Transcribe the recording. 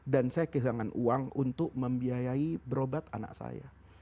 dan saya kehilangan uang untuk membiayai berobat anak saya